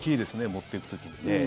持っていく時にね。